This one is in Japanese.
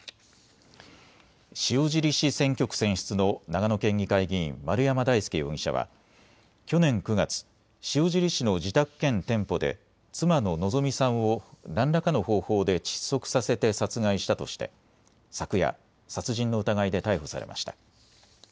塩尻市選挙区選出の長野県議会議員、丸山大輔容疑者は去年９月、塩尻市の自宅兼店舗で妻の希美さんを何らかの方法で窒息させて殺害したとして昨夜、殺人の疑いで逮捕されました。